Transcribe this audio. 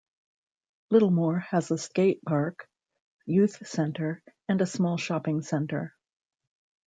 Littlemoor has a skatepark, youth centre and a small shopping centre.